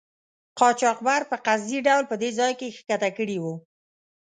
قاچاقبر په قصدي ډول په دې ځای کې ښکته کړي وو.